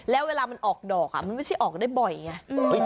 แล้วเวลามันออกดอกมันไม่ใช่ออกได้บ่อยไง